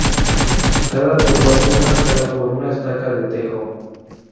Cada tumba fue marcada por una estaca de tejo.